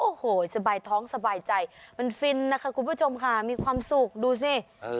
โอ้โหสบายท้องสบายใจมันฟินนะคะคุณผู้ชมค่ะมีความสุขดูสิ